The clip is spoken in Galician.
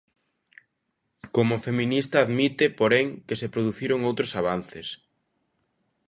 Como feminista admite, porén, que se produciron outros avances.